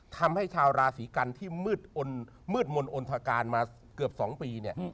ทำให้ชาวราศีกันที่มืดมนต์อนทการมาเกือบ๒ปีเนี่ย